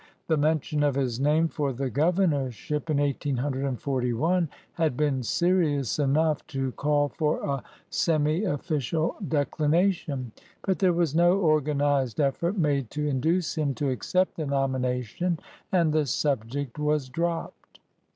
The mention of his name for the governorship in 1841 had been serious enough to call for a semi official declination; but there was no organized effort made to induce him to accept the nomina tion, and the subject was dropped.